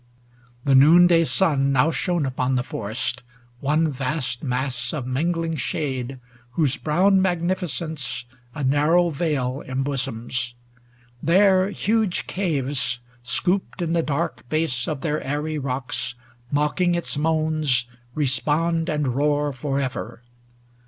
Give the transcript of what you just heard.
The noonday sun Now shone upon the forest, one vast mass Of mingling shade, whose brown magnifi cence A narrow vale embosoms. There, huge caves, Scooped in the dark base of their aery rocks. Mocking its moans, respond and roar for ever.